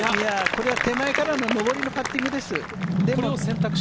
これは手前からの上りのパッティングです。